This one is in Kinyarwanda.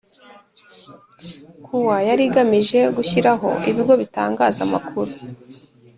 Kuwa yari igamije gushyiraho ibigo bitangaza amakuru